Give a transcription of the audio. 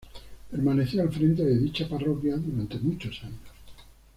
Permaneció al frente de dicha parroquia durante muchos años.